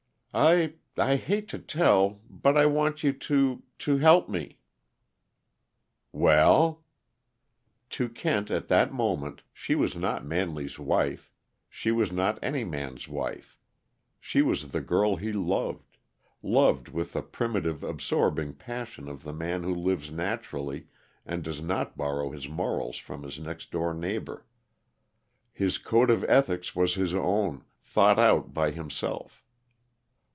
"I I hate to tell, but I want you to to help me." "Well?" To Kent, at that moment, she was not Manley's wife; she was not any man's wife; she was the girl he loved loved with the primitive, absorbing passion of the man who lives naturally and does not borrow his morals from his next door neighbor. His code of ethics was his own, thought out by himself.